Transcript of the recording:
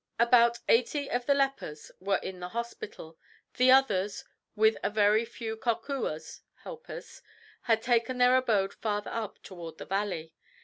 "About eighty of the lepers were in the hospital; the others, with a very few Kokuas (helpers), had taken their abode farther up toward the valley.